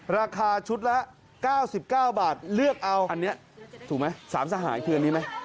ราคาชุดละเก้าสิบเก้าบาทเลือกเอา